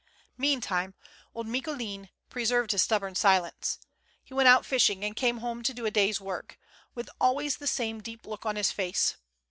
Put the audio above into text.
Meantime old Micoulin preserved his stubborn silence. He went out fishing and came home to do a day's work, with always the same deep look on his face.